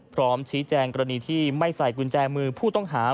พร้อมชี้แจงกรณีที่ไม่ใส่กุญแจมือผู้ต้องหา